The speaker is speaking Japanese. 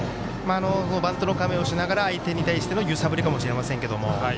バントの構えをしながら相手に対しての揺さぶりかもしれませんけども。